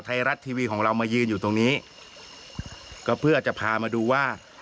ไทยรัฐทีวีของเรามายืนอยู่ตรงนี้ก็เพื่อจะพามาดูว่า